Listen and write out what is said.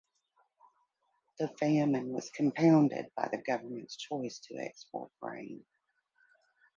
The famine was compounded by the government's choice to export grain.